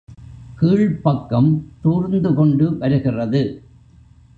கீழ்ப்பக்கம் தூர்ந்துகொண்டு வருகிறது.